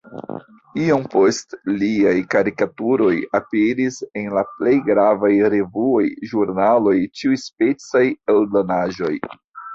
Iom poste liaj karikaturoj aperis en la plej gravaj revuoj, ĵurnaloj, ĉiuspecaj eldonaĵoj.